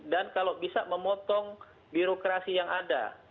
dan kalau bisa memotong birokrasi yang ada